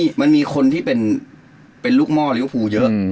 คือมันมีคนที่เป็นลูกม่อหรือว่าภูมิเยอะ